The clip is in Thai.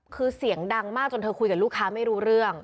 คือเสียงดังมากจนเธอคุยกับลูกค้าไม่รู้เรื่อง